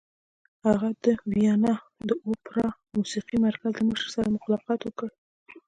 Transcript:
هغې د ویانا د اوپرا موسیقۍ مرکز له مشر سره ملاقات وکړ